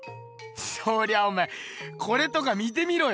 そりゃおめえこれとか見てみろよ。